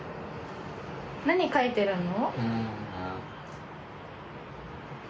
何描いてるの？